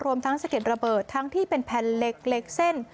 รวมทั้งสะเก็ดระเบิดทั้งที่เป็นแผ่นเหล็กเส้น